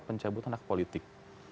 pencabut anak politik